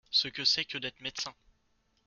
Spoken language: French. Ce que c’est que d’être médecin…